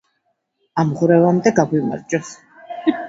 ამღვრევამდე გაგვიმარჯოს